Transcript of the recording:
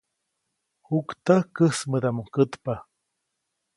Juktäjk käjsmädaʼmuŋ kätpa.